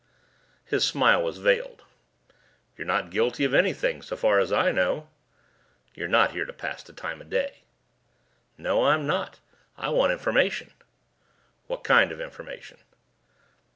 His smile was veiled. "You're not guilty of anything, so far as I know." "You're not here to pass the time of day." "No, I'm not. I want information." "What kind of information?"